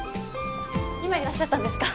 今いらっしゃったんですか。